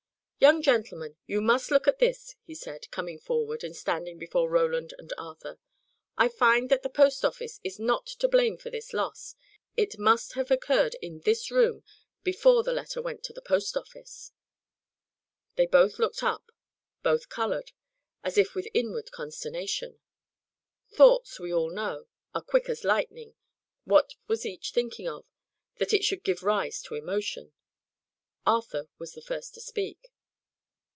"Young gentlemen, you must look to this," he said, coming forward, and standing before Roland and Arthur. "I find that the post office is not to blame for this loss; it must have occurred in this room, before the letter went to the post office." They both looked up, both coloured, as if with inward consternation. Thoughts, we all know, are quick as lightning: what was each thinking of, that it should give rise to emotion? Arthur was the first to speak.